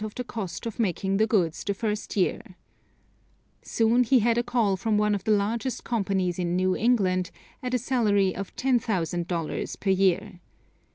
of the cost of making the goods the first year. Soon he had a call from one of the largest corporations in New England, at a salary of $10,000 per year.